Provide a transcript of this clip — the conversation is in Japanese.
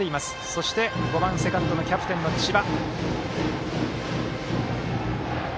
そして５番セカンドキャプテンの千葉。